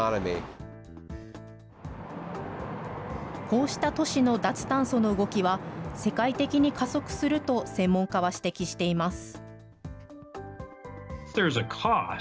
こうした都市の脱炭素の動きは世界的に加速すると、専門家は指摘しています。